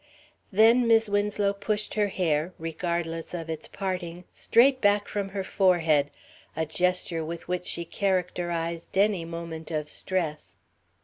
Then Mis' Winslow pushed her hair, regardless of its parting, straight back from her forehead, a gesture with which she characterized any moment of stress.